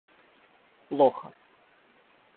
плохо